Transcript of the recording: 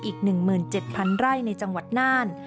อีก๑๗๐๐ไร่ในจังหวัดน่าน